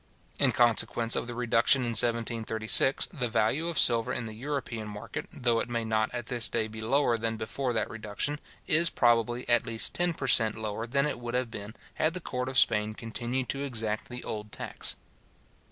In consequence of the reduction in 1736, the value of silver in the European market, though it may not at this day be lower than before that reduction, is, probably, at least ten per cent. lower than it would have been, had the court of Spain continued to exact the old tax.